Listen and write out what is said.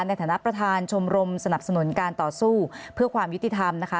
ในฐานะประธานชมรมสนับสนุนการต่อสู้เพื่อความยุติธรรมนะคะ